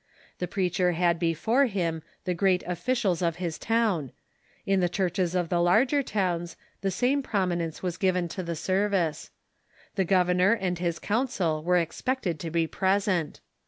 The preacher bad before him the great ofiicials of his town. In the churches of the larger towns the same prominence was given to the service. The governor and his council were expected to be present.